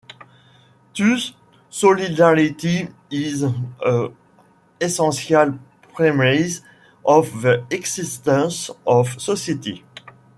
Thus solidarity is an essential premise of the existence of society.